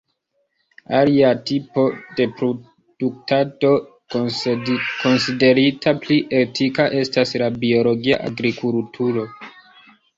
Alia tipo de produktado konsiderita pli etika estas la biologia agrikulturo.